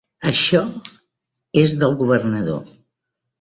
Això és del governador.